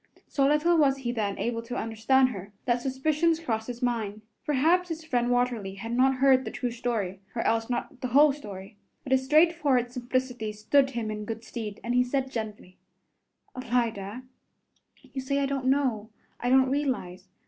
So little was he then able to understand her, that suspicions crossed his mind. Perhaps his friend Watterly had not heard the true story or else not the whole story. But his straightforward simplicity stood him in good stead, and he said gently, "Alida, you say I don't know, I don't realize.